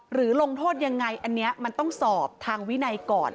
ลงโทษยังไงอันนี้มันต้องสอบทางวินัยก่อน